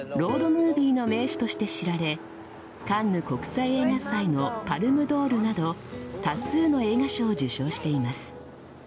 ムービーの名手として知られカンヌ国際映画祭のパルム・ドールなど多数の映画賞を受賞しています。